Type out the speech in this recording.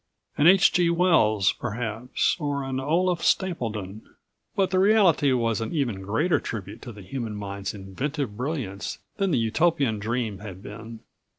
An H. G. Wells perhaps, or an Olaf Stapledon. But the reality was an even greater tribute to the human mind's inventive brilliance than the Utopian dream had been.